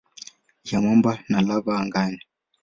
ya mwamba na lava angani.